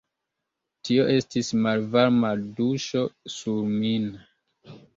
Tio estis malvarma duŝo sur min.